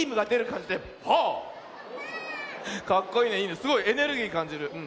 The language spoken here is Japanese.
すごいエネルギーかんじる。